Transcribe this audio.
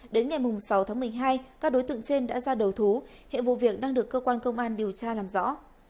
đến ngày sáu tháng một mươi hai các đối tượng trên đã ra đầu thú hiện vụ việc đang được cơ quan công an điều tra làm rõ